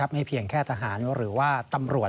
เพียงแค่ทหารหรือว่าตำรวจ